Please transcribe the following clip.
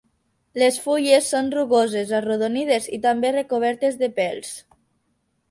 Les fulles són rugoses, arrodonides i també recobertes de pèls.